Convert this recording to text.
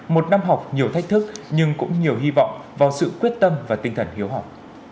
một năm học nhiều thách thức nhưng cũng nhiều hy vọng vào sự quyết tâm và tinh thần hiếu học